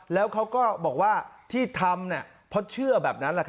แล้วเขาก็บอกว่าที่ทำเพราะเชื่อแบบนั้น